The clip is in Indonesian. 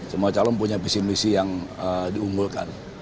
semua calon punya visi misi yang diunggulkan